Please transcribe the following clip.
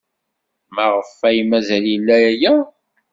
Maɣef ay mazal ila aya?